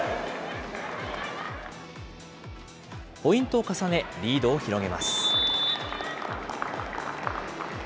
ポイントを重ね、リードを広げます。